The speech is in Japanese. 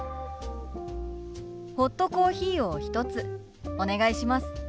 ホットコーヒーを１つお願いします。